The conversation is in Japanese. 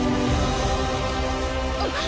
あっ！